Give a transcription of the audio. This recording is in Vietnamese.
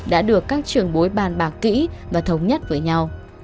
đã được các trường bối bàn bạc kỹ và thống nhất với nhau